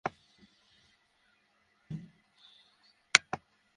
মা মেফায়ারের বাহিরে জন্মানো কাউকেই মেনে নেবে না।